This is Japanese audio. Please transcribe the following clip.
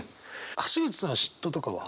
橋口さんは嫉妬とかは？